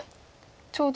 ちょうど。